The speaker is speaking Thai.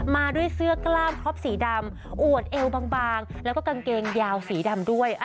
มาด้วยเสื้อกล้ามท็อปสีดำอวดเอวบางแล้วก็กางเกงยาวสีดำด้วย